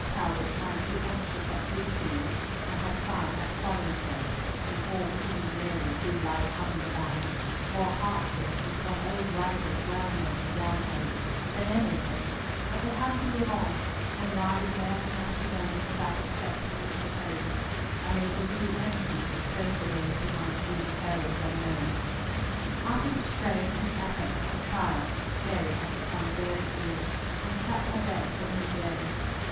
Talbot might be anxious at Bridgefield, and her son at Fotheringhay, and poor Queen Mary, whose life hung in the balance, more heartsick with what old writers well named 'wanhope' than any of them; but they had to live on, and rise morning after morning without expecting any intelligence, unable to do anything but pray for those who might be in perils unknown. After the strain and effort of her trial, Mary had become very ill, and kept her bed for many days.